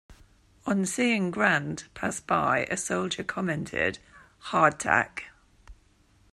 On seeing Grant pass by, a soldier commented, "Hardtack".